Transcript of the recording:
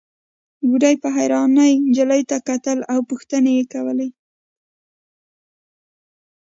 بوډۍ په حيرانۍ نجلۍ ته کتل او پوښتنې يې کولې.